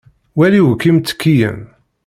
wali akk imttekkiyen.